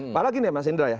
apalagi nih ya mas indra ya